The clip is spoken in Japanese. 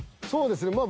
そうですね。